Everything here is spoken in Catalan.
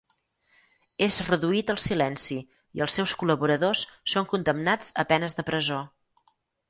És reduït al silenci i els seus col·laboradors són condemnats a penes de presó.